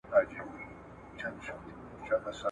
احمدشاه بابا په پاني پت کې لویه جګړه وکړه.